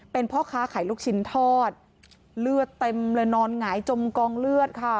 เป็นพ่อค้าขายลูกชิ้นทอดเลือดเต็มเลยนอนหงายจมกองเลือดค่ะ